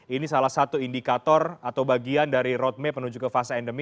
ini salah satu indikator atau bagian dari roadmap menuju ke fase endemi